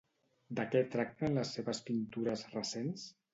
De què tracten les seves pintures recents?